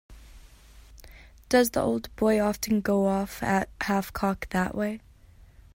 Does the old boy often go off at half-cock that way.